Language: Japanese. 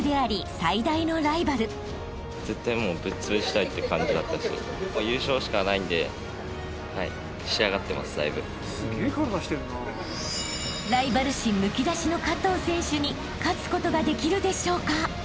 ［ライバル心むき出しの加藤選手に勝つことができるでしょうか？］